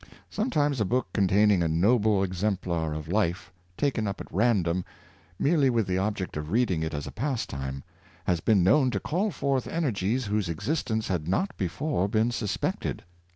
Sometimes a book containing a noble examplar of life, taken up at random, merely with the object of reading it as a pastime, has been known to call forth energies whose existence had not before been suspected.